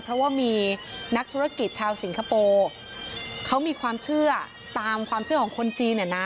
เพราะว่ามีนักธุรกิจชาวสิงคโปร์เขามีความเชื่อตามความเชื่อของคนจีนเนี่ยนะ